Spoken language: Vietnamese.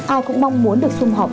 ai cũng mong muốn được xung họp